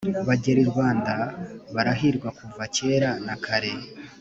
abagenda i rwanda barahirwa kuva kera na kare,